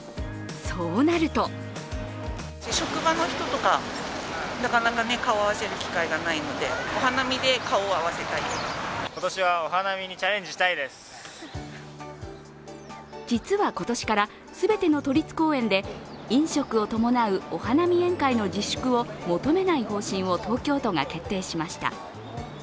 そうなると実は、今年から全ての都立公園で飲食を伴うお花見宴会の自粛を求めない方針を東京都が決定しました。